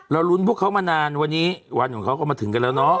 ลุ้นพวกเขามานานวันนี้วันของเขาก็มาถึงกันแล้วเนาะ